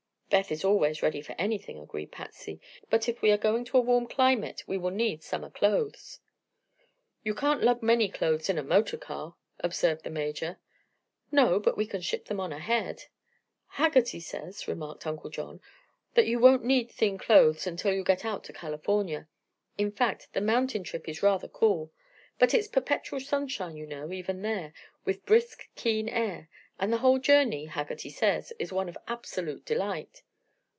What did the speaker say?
"Beth is always ready for anything," agreed Patsy. "But if we are going to a warm climate we will need summer clothes." "You can't lug many clothes in a motor car," observed the Major. "No; but we can ship them on ahead." "Haggerty says," remarked Uncle John, "that you won't need thin clothes until you get out to California. In fact, the mountain trip is rather cool. But it's perpetual sunshine, you know, even there, with brisk, keen air; and the whole journey, Haggerty says, is one of absolute delight."